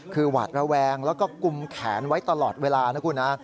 คือหวาดระแวงแล้วก็กุมแขนไว้ตลอดเวลานะคุณฮะ